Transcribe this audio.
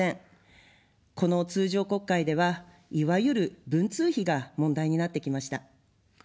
この通常国会では、いわゆる文通費が問題になってきました。